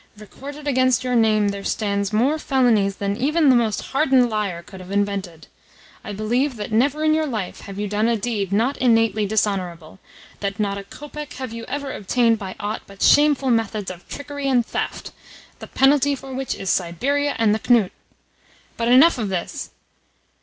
"Recorded against your name there stand more felonies than even the most hardened liar could have invented. I believe that never in your life have you done a deed not innately dishonourable that not a kopeck have you ever obtained by aught but shameful methods of trickery and theft, the penalty for which is Siberia and the knut. But enough of this!